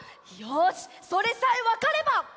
よしそれさえわかれば！